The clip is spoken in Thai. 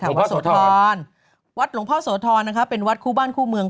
ห้าวาดหลวงเภาโสธรเป็นหวัดคู่บ้านคู่เมือง